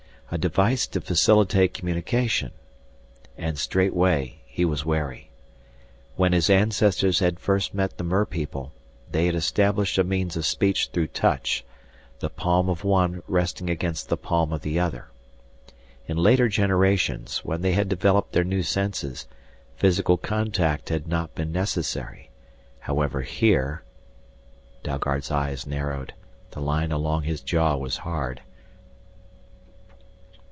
A device to facilitate communication. And straightway he was wary. When his ancestors had first met the merpeople, they had established a means of speech through touch, the palm of one resting against the palm of the other. In later generations, when they had developed their new senses, physical contact had not been necessary. However, here Dalgard's eyes narrowed, the line along his jaw was hard.